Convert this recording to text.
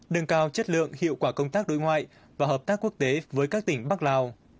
nâng cao chất lượng hiệu quả công tác đối ngoại và hợp tác quốc tế với các tỉnh bắc lào